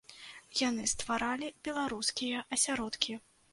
Яны стваралі беларускія асяродкі.